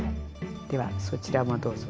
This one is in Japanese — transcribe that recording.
ではそちらもどうぞ。